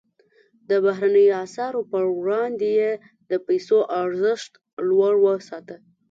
د بهرنیو اسعارو پر وړاندې یې د پیسو ارزښت لوړ وساته.